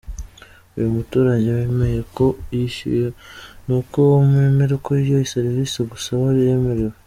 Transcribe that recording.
Iyo umuturage wemeye ko yishyuye, ni uko uba wemera ko iyo serivisi agusaba ayemerewe.